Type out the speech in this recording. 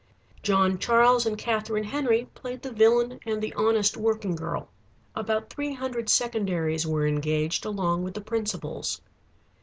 John Charles and Katharine Henry played the villain and the honest working girl. About three hundred secondaries were engaged along with the principals.